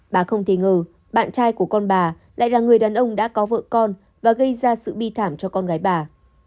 bà không thể ngờ bạn trai của con bà lại là người đàn ông đã có vợ con và gây ra sự bi thảm cho con gái bà